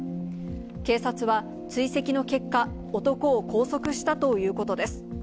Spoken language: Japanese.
警察は追跡の結果、男を拘束したということです。